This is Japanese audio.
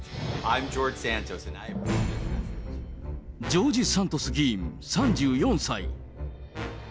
ジョージ・サントス議員３４歳。